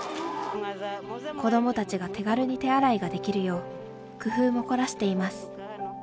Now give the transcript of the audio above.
子どもたちが手軽に手洗いができるよう工夫も凝らしています。